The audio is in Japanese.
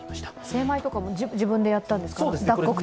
精米とかも自分でやったんですか、脱穀とか。